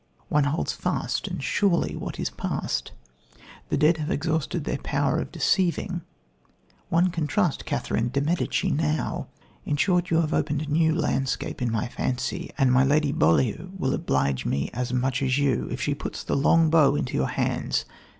One holds fast and surely what is past. The dead have exhausted their power of deceiving one can trust Catherine of Medicis now. In short, you have opened a new landscape to my fancy; and my lady Beaulieu will oblige me as much as you, if she puts the long bow into your hands.